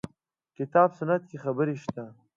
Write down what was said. کتاب سنت کې خبرې شته.